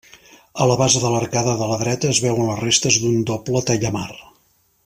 A la base de l'arcada de la dreta es veuen les restes d'un doble tallamar.